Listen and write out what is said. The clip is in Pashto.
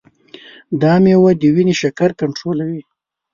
دا میوه د وینې شکر کنټرولوي.